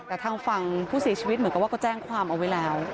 แต่ทางฝั่งผู้เสียชีวิตเหมือนกับว่าก็แจ้งความเอาไว้แล้ว